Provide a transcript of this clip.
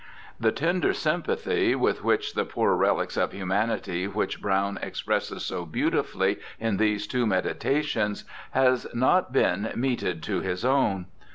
The tender sympathy with the poor relics of humanity which Browne expresses so beautifully in these two meditations has not been meted to his own.